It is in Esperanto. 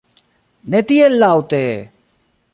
Ne tiel laŭte!